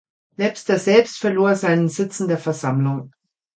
Webster selbst verlor seinen Sitz in der Versammlung.